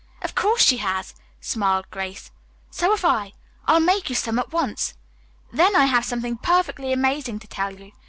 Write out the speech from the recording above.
"Of course she has," smiled Grace. "So have I. I'll make you some at once. Then I have something perfectly amazing to tell you.